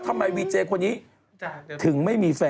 ทำไมวีเจคคนนี้ถึงไม่มีแฟน